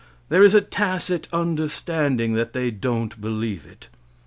There is a tacit understanding that they don't believe it.